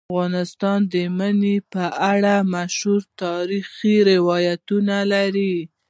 افغانستان د منی په اړه مشهور تاریخی روایتونه لري.